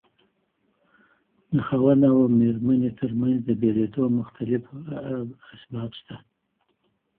د خاوند او ميرمني تر منځ د بيليدو مختلف اسباب سته.